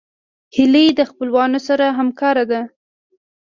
هیلۍ د خپلوانو سره همکاره ده